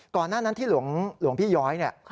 ก่อนหน้านั้นที่หลวงพี่ย้อยเนี่ย